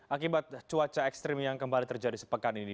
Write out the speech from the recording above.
akibat cuaca ekstrim yang kembali terjadi sepekan ini